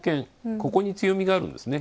ここに強みがあるんですね。